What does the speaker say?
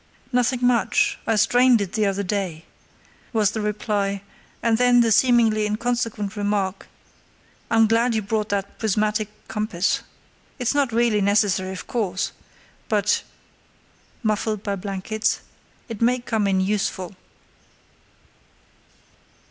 "Nothing much; I strained it the other day," was the reply; and then the seemingly inconsequent remark: "I'm glad you brought that prismatic compass. It's not really necessary, of course; but" (muffled by blankets) "it may come in useful."